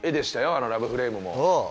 あのラブフレームも。